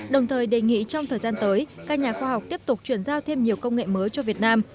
đồng thời đề nghị trong thời gian tới các nhà khoa học tiếp tục chuyển giao thêm nhiều công nghệ mới cho việt nam